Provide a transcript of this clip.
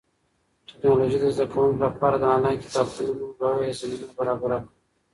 ټیکنالوژي د زده کوونکو لپاره د انلاین کتابتونونو لویه زمینه برابره کړه.